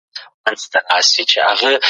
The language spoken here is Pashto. قطبي خرس 🐻❄️